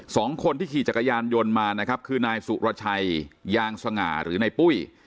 สองคนที่ขี่จักรยานยนต์มานะครับคือนายสุรชัยยางสง่าหรือในปุ้ย